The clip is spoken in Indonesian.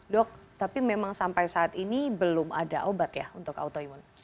dok tapi memang sampai saat ini belum ada obat ya untuk autoimun